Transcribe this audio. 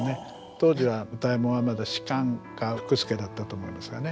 当時は歌右衛門はまだ芝か福助だったと思いますがね。